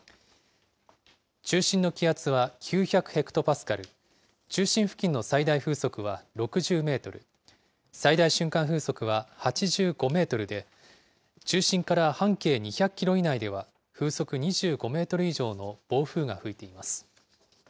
中心の気圧は９００ヘクトパスカル、中心付近の最大風速は６０メートル、最大瞬間風速は８５メートルで、中心から半径２００キロ以内では、風速２５メートル以上の暴風が吹いています。